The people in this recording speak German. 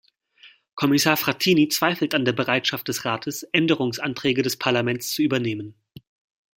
Kommissar Frattini zweifelt an der Bereitschaft des Rates, Änderungsanträge des Parlaments zu übernehmen.